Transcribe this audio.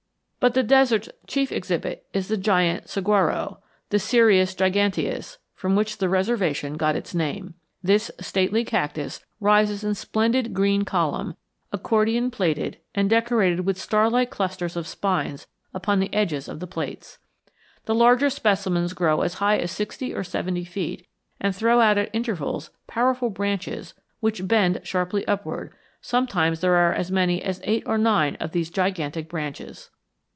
But the desert's chief exhibit is the giant saguaro, the Cereus giganteus, from which the reservation got its name. This stately cactus rises in a splendid green column, accordion plaited and decorated with star like clusters of spines upon the edges of the plaits. The larger specimens grow as high as sixty or seventy feet and throw out at intervals powerful branches which bend sharply upward; sometimes there are as many as eight or nine of these gigantic branches.